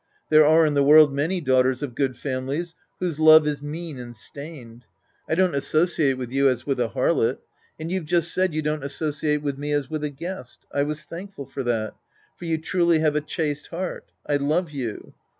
There are in the world many daughters of good families whose love is mean and stained. I don't associate with you as with a harlot. And you've just said you don't associate with me as with a guest. I was thankful for that. For you truly have a chaste ,^ heart. I love you.